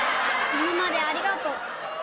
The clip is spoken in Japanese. いままでありがとう。